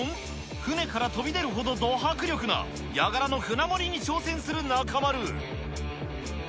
舟から飛び出るほどド迫力なヤガラの舟盛りに挑戦する中丸。え？